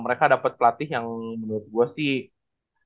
mereka dapat pelatih yang menurut gue sih